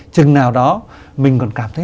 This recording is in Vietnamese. trừng nào đó mình còn cảm thấy